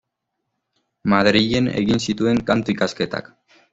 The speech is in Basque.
Madrilen egin zituen Kantu ikasketak.